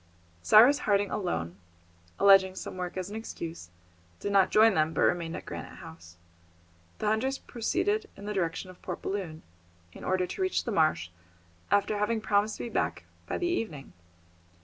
Cyrus Harding alone, alleging some work as an excuse, did not join them, but remained at Granite House. The hunters proceeded in the direction of Port Balloon, in order to reach the marsh, after having promised to be back by the evening.